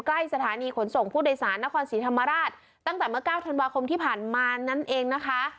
สถานีขนส่งผู้โดยสารนครศรีธรรมราชตั้งแต่เมื่อ๙ธันวาคมที่ผ่านมานั่นเองนะคะ